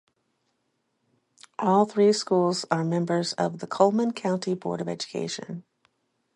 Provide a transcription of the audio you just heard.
All three schools are members of the Cullman County Board of Education.